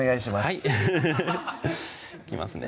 はいハハハいきますね